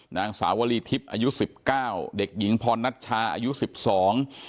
นางสาวลีทิพย์อายุสิบเก้าเด็กหญิงพรนัชชาอายุสิบสอง